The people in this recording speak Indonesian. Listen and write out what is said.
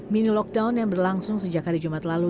mini lockdown yang berlangsung sejak hari jumat lalu